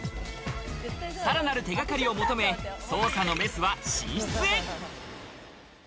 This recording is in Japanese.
さらなる手がかりを求め、捜査のメスは寝室へ。